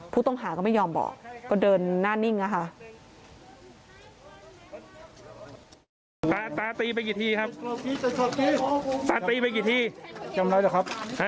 ผู้ต้องหาก็ไม่ยอมบอกก็เดินหน้านิ่งอะค่ะ